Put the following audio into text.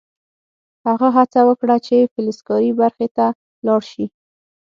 هغه هڅه وکړه چې فلزکاري برخې ته لاړ شي